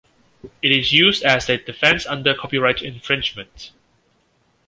It is used as a defense under copyright infringement.